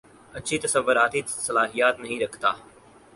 اچھی تصوارتی صلاحیت نہیں رکھتا